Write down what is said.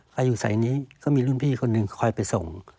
ใครอยู่สายนี้ก็มีรุ่นพี่คนหนึ่งคอยไปส่ง